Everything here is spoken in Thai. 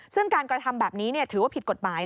ซึ่งการกระทำแบบนี้ถือว่าผิดกฎหมาย